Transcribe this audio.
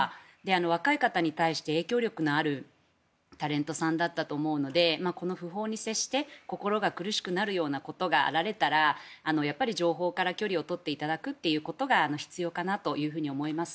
若い方に対して影響力のあるタレントさんだったと思うのでこの訃報に接して心が苦しくなるようなことがあられたらやっぱり情報から距離を取っていただくということが必要かなと思います。